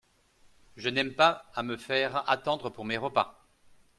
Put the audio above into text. Je n’aime pas à me faire attendre pour mes repas.